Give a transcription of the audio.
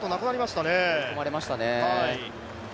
追い込まれましたね。